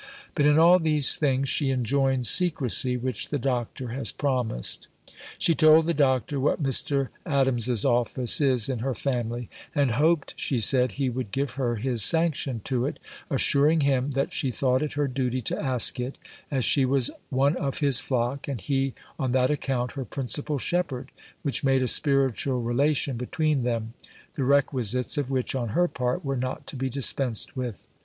But in all these things, she enjoins secresy, which the doctor has promised. She told the doctor what Mr. Adams's office is in her family; and hoped, she said, he would give her his sanction to it; assuring him, that she thought it her duty to ask it, as she was one of his flock, and he, on that account, her principal shepherd, which made a spiritual relation between them, the requisites of which, on her part, were not to be dispensed with.